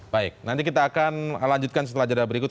baik nanti kita akan lanjutkan setelah jadwal berikut